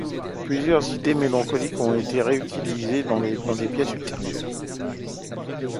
Plusieurs idées mélodiques ont été réutilisées dans des pièces ultérieures.